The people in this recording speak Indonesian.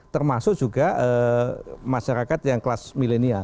termasuk juga masyarakat yang kelas milenial